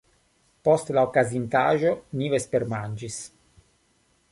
Post la okazintaĵo, ni vespermanĝis.